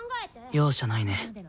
容赦ないね。